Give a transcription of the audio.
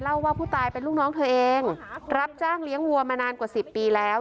ว่าผู้ตายเป็นลูกน้องเธอเองรับจ้างเลี้ยงวัวมานานกว่า๑๐ปีแล้ว